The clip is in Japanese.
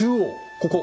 ここ。